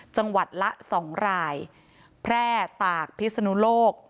จังหวัดละ๒รายแพร่ตากพิศนุโลก